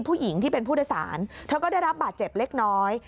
ผู้หญิงที่เป็นผู้โดยสารเธอก็ได้รับบาดเจ็บเล็กน้อย